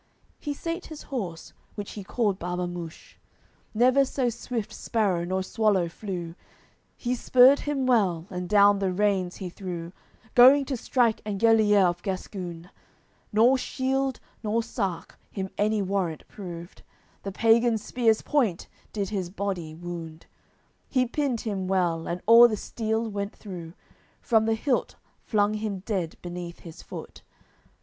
He sate his horse, which he called Barbamusche, Never so swift sparrow nor swallow flew, He spurred him well, and down the reins he threw, Going to strike Engelier of Gascune; Nor shield nor sark him any warrant proved, The pagan spear's point did his body wound, He pinned him well, and all the steel sent through, From the hilt flung him dead beneath his foot.